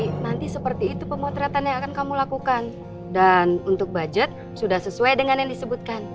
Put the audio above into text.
jadi nanti seperti itu pemotretan yang akan kamu lakukan dan untuk budget sudah sesuai dengan yang disebutkan